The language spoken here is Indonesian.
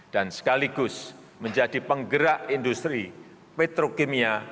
dan sekaligus menjadi penggerak industri petrokimia